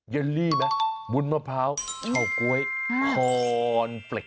เยลลี่มุนมะพร้าวเข้าก๊วยคอร์นเฟล็ก